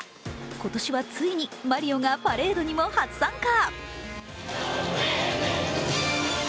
今年はついにマリオがパレードにも初参加。